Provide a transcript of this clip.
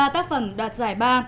ba tác phẩm đoạt giải ba